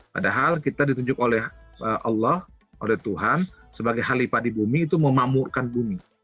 padahal kita ditunjuk oleh allah oleh tuhan sebagai halifah di bumi itu memamurkan bumi